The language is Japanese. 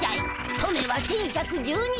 トメは１，１１２歳。